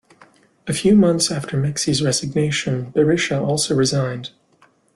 A few months after Meksi's resignation, Berisha also resigned.